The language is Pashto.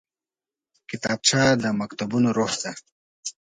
کتابچه د مکتبونو روح ده